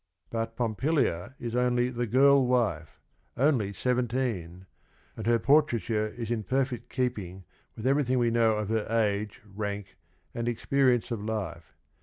But Pompilia is o nly the girl wife, "only seventeen," and her port raiture is in perfect keeping with everything we know of her age, ran k, and experienc e of life.